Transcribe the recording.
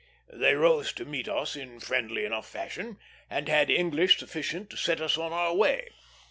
They rose to meet us in friendly enough fashion, and had English sufficient to set us on our way.